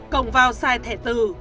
cồng vào sai thẻ tử